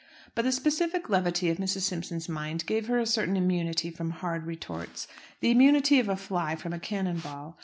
But the specific levity of Mrs. Simpson's mind gave her a certain immunity from hard retorts the immunity of a fly from a cannon ball.